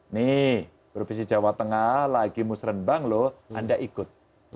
nih provinsi jawa tengah lagi musrembang loh anda ikut